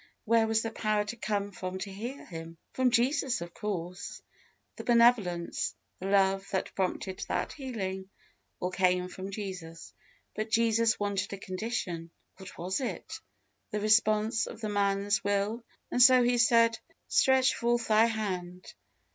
Where was the power to come from to heal him? From Jesus, of course. The benevolence, the love, that prompted that healing, all came from Jesus; but Jesus wanted a condition. What was it? The response of the man's will; and so He said, "Stretch forth thy hand."